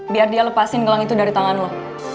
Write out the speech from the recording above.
biar dia lepasin gelang itu dari tangan lo